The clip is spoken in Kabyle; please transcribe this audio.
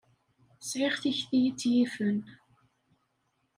Sɛiɣ tikti i tt-yifen.